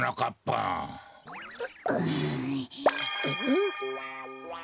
ん？